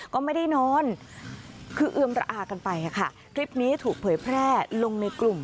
ก็ไม่ได้นอนคือเอือมระอากันไปค่ะคลิปนี้ถูกเผยแพร่ลงในกลุ่ม